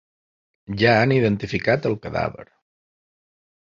Ja han identificat el cadàver.